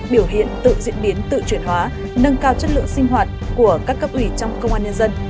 biểu hiện tự diễn biến tự chuyển hóa nâng cao chất lượng sinh hoạt của các cấp ủy trong công an nhân dân